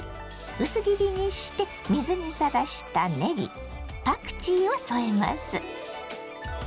薄切りにして水にさらしたねぎパクチーを添えます。